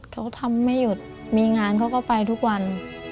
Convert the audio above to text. เขาทำไม่หยุดมีงานเขาก็ไปทุกวัน